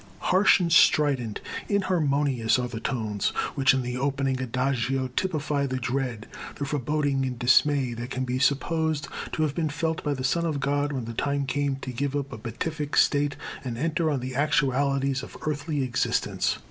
Harsh and strident, inharmonious, are the tones, which in the opening Adagio typify the dread, the foreboding and dismay, that can be supposed to have been felt by the Son of God when the time came to give up a beatific state and enter on the actualities of earthly existence.